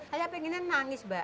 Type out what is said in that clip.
saya pengen nangis mbak